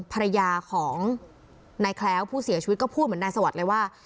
ภรรยาของนายแคล้วผู้เสียชีวิตก็พูดเหมือนนายสวัสดิ์เลยว่า